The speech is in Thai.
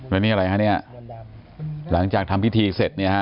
แล้วนี่อะไรคะหลังจากทำพิธีเสร็จ